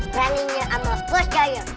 kalinya ama bos jalan